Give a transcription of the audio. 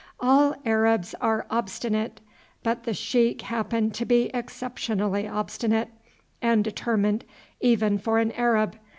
All Arabs are obstinate, but the sheik happened to be exceptionally obstinate and determined even for an Arab.